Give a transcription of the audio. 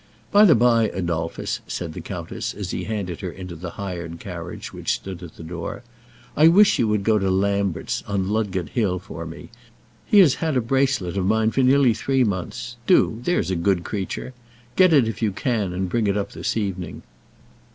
"By the by, Adolphus," said the countess, as he handed her into the hired carriage which stood at the door, "I wish you would go to Lambert's, on Ludgate Hill, for me. He has had a bracelet of mine for nearly three months. Do, there's a good creature. Get it if you can, and bring it up this evening."